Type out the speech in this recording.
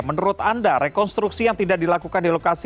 menurut anda rekonstruksi yang tidak dilakukan di lokasi